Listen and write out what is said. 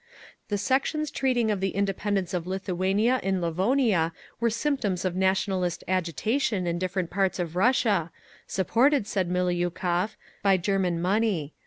The sections treating of the independence of Lithuania and Livonia were symptoms of nationalist agitation in different parts of Russia, supported, said Miliukov, by German money….